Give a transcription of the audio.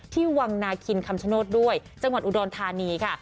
วังนาคินคำชโนธด้วยจังหวัดอุดรธานีค่ะ